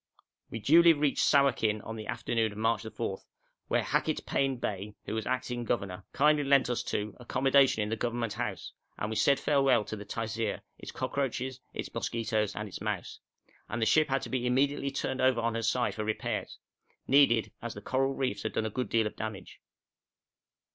We duly reached Sawakin in the afternoon of March 4, where Hackett Pain Bey, who was acting governor, kindly lent us two accommodation in the Government House, and we said farewell to the Taisir, its cockroaches, its mosquitoes, and its mouse; and the ship had immediately to be turned over on her side for repairs needed, as the coral reefs had done a good deal of damage.